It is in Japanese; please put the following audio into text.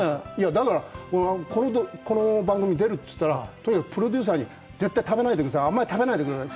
だから、この番組出るって言ったらとにかく、プロデューサーにあんまり食べないでください。